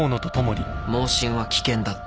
妄信は危険だって。